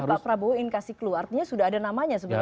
jadi pak prabowo ingin kasih clue artinya sudah ada namanya sebenarnya